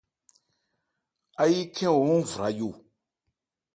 Áyí khɛ́n o hɔ́n vra yo.